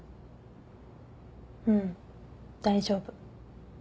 うん大丈夫。